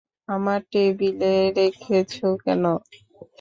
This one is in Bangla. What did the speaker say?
আমার টেবিলে রেখেছো কেন?